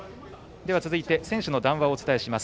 続いて選手の談話をお伝えします。